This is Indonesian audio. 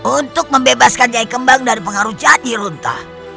untuk membebaskan jaih kembang dari pengaruh jahat di runta